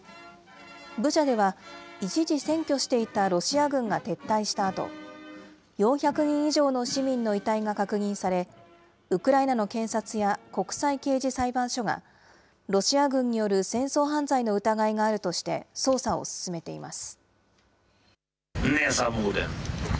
ブチャでは、一時占拠していたロシア軍が撤退したあと、４００人以上の市民の遺体が確認され、ウクライナの検察や国際刑事裁判所が、ロシア軍による戦争犯罪の疑いがあるとして、捜査を進めています。